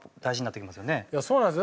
いやそうなんですよ。